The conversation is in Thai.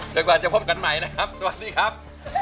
จากวานจะพบกันใหม่สวัสดีครับ